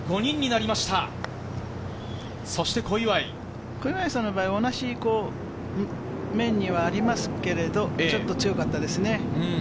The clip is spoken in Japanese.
これでトップが５人にな小祝さんの場合、同じ面にはありますけれど、ちょっと強かったですね。